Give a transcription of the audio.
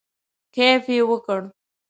کیف یې وکړ.